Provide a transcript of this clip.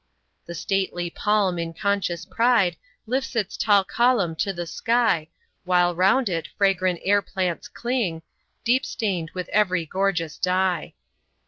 The stately PALM in conscious pride Lifts its tall column to the sky, While round it fragrant air plants cling, Deep stained with every gorgeous dye.